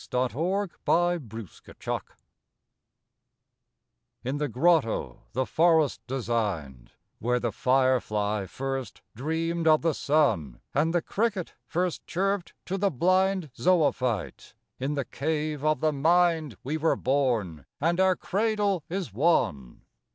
6l THE TWO BROTHERS In the grotto the forest designed, Where the fire fly first dreamed of the sun And the cricket first chirped to the blind Zoophyte,—in the cave of the mind We were born and our cradle is one.